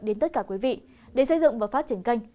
đến tất cả quý vị để xây dựng và phát triển kênh